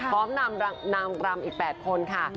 พร้อมนางรำอีก๘คนค่ะ